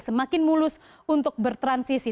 semakin mulus untuk bertransisi